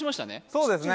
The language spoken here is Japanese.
そうですね